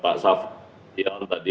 pak safdion tadi